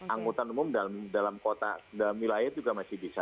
angkutan umum dalam wilayah itu juga masih bisa